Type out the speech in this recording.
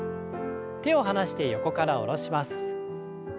手を離して横から下ろします。